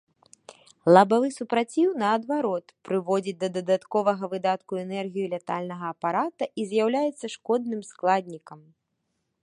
Лабавы супраціў, наадварот, прыводзіць да дадатковага выдатку энергіі лятальнага апарата і з'яўляецца шкодным складнікам.